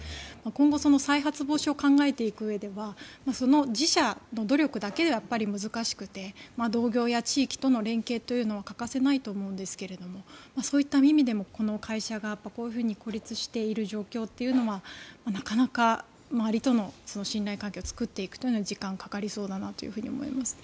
今後再発防止を考えていくうえでは自社の努力だけではやっぱり難しくて同業や地域との連携は欠かせないと思うんですがそういった意味でもこの会社がこういうふうに孤立している状況というのはなかなか周りとの信頼関係を作っていくというのは時間がかかりそうだなと思います。